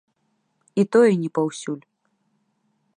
І тое не паўсюль.